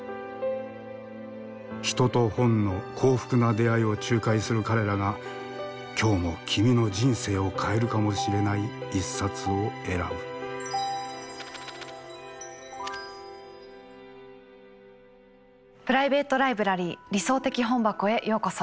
人と本の幸福な出会いを仲介する彼らが今日も君の人生を変えるかもしれない一冊を選ぶプライベート・ライブラリー「理想的本箱」へようこそ。